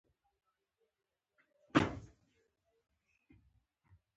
سر یې پرې کړ او ماهویه ته یې راوړ.